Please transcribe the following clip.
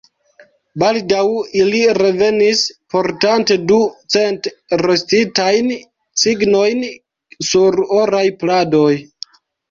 Baldaŭ ili revenis, portante du cent rostitajn cignojn sur oraj pladoj.